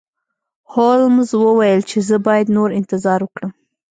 هولمز وویل چې زه باید نور انتظار وکړم.